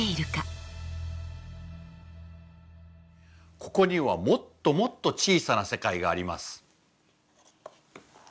ここにはもっともっと小さな世界があります。